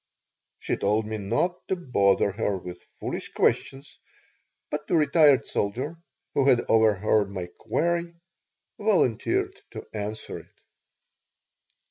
She told me not to bother her with foolish questions, but the retired soldier, who had overheard my query, volunteered to answer it.